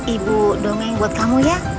ibu dongeng buat kamu ya